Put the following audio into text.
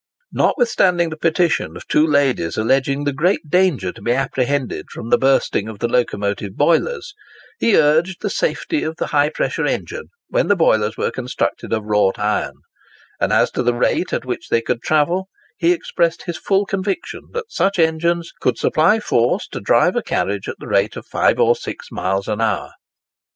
Notwithstanding the petition of two ladies alleging the great danger to be apprehended from the bursting of the locomotive boilers, he urged the safety of the high pressure engine when the boilers were constructed of wrought iron; and as to the rate at which they could travel, he expressed his full conviction that such engines "could supply force to drive a carriage at the rate of five or six miles an hour."